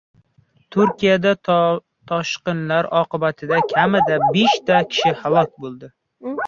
Turkiyada toshqinlar oqibatida kamida besh kishi halok bo‘ldi